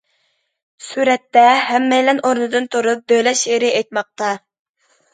سۈرەتتە، ھەممەيلەن ئورنىدىن تۇرۇپ دۆلەت شېئىرى ئېيتماقتا.